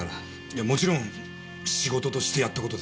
いやもちろん仕事としてやった事です。